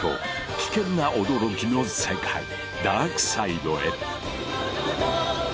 危険な驚きの世界ダークサイドへ。